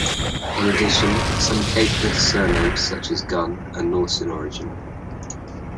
In addition, some Caithness surnames, such as Gunn, are Norse in origin.